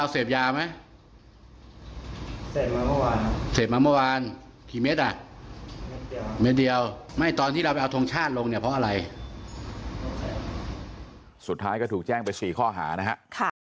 เสพมาเมื่อวานสุดท้ายก็ถูกแจ้งไป๔ข้อหานะครับ